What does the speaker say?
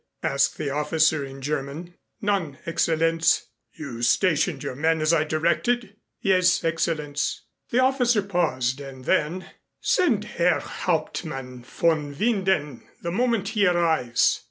asked the officer in German. "None, Excellenz." "You stationed your men as I directed?" "Yes, Excellenz " The officer paused. And then, "Send Herr Hauptmann von Winden the moment he arrives."